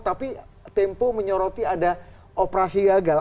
tapi tempo menyoroti ada operasi gagal